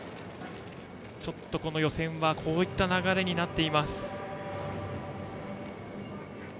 ちょっとこの予選はこういった流れになっています。